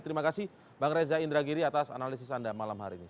terima kasih bang reza indragiri atas analisis anda malam hari ini